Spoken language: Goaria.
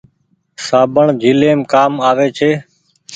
سابڻ جھليم ڪآم آوي ڇي۔